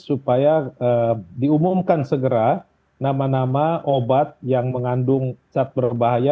supaya diumumkan segera nama nama obat yang mengandung cat berbahaya